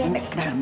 nek ke dalam dulu